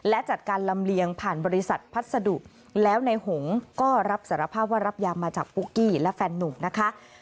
และจัดการลำเลียงผ่านบริษัทพัสดุแล้วในหงก็รับสารภาพว่ารับยามาจากปุ๊กกี้และแฟนนุ่มนะคะ